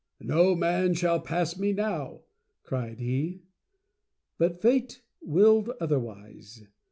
"No man shall pass me now," cried he. But Fate willed otherwise.